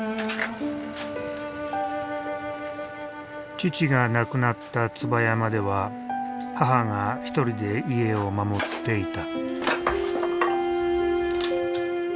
父が亡くなった椿山では母が一人で家を守っていた。